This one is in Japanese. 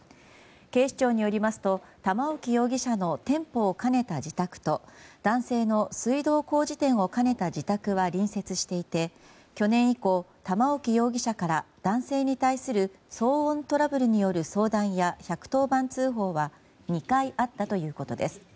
警視庁によりますと玉置容疑者の店舗を兼ねた自宅と男性の水道工事店を兼ねた自宅は隣接していて去年以降、玉置容疑者から男性に対する騒音トラブルによる相談や１１０番通報は２回あったということです。